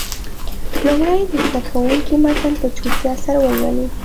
لومړی دې زده کوونکي متن په چوپتیا سره ولولي.